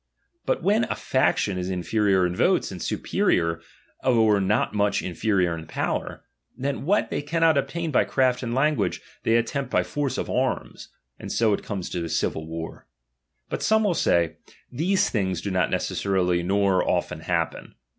But when a faction is inferior in votes, and superior, or not much infe rior in power, then what they caunot obtain by craft and language, they attempt by force of arms ; and so it comes to a civil war. But some will say, these things do not necessarUy, nor often happen.